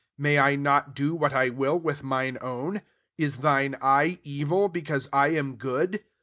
15 May I not do what I will with mine own ? Is thhie eye evil, because I am good?'